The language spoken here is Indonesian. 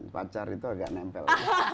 pacar itu agak nempel